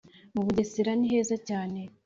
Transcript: mubugesera ni heza cyane